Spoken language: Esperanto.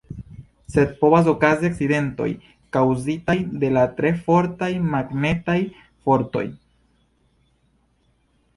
Sed povas okazi akcidentoj kaŭzitaj de la tre fortaj magnetaj fortoj.